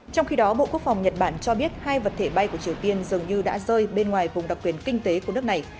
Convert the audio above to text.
trong khi đó bộ quốc phòng nhật bản cho biết hai vật thể bay của triều tiên dường như đã rơi bên ngoài vùng đặc quyền kinh tế của nước này